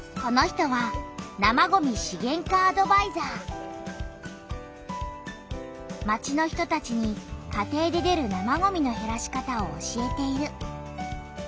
この人は町の人たちに家庭で出る生ごみのへらし方を教えている。